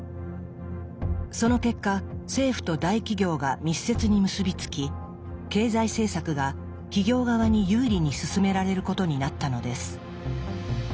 その結果政府と大企業が密接に結び付き経済政策が企業側に有利に進められることになったのです。